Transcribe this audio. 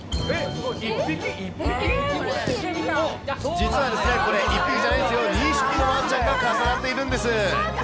実はですね、これ１匹じゃないんですよ、２匹のワンちゃんが重なっているんです。